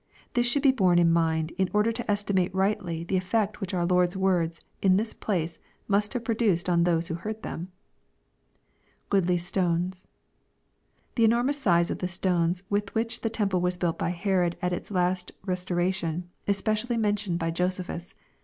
This should be borne in mind, in order to estimate rightly the effect which our Lord's words, in this place, must have produced on those who heard them. [ Goodly stones^ The enormous size of the stones with which the temple was built by Herod at its last restoration, is specially mentioned by Josephus.